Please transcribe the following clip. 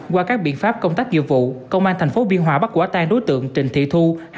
qua các biện pháp công tác dự vụ công an thành phố biên hòa bắt quả tang đối tượng trịnh thị thu